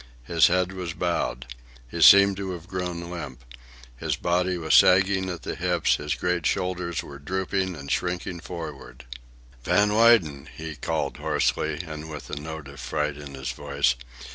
His head was bowed. He seemed to have grown limp. His body was sagging at the hips, his great shoulders were drooping and shrinking forward. "Van Weyden!" he called hoarsely, and with a note of fright in his voice.